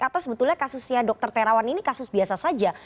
atau sebetulnya kasusnya dr terawan ini kasus biasa saja